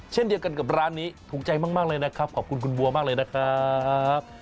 เช่นเดียวกันกับร้านนี้ถูกใจมากเลยนะครับขอบคุณคุณบัวมากเลยนะครับ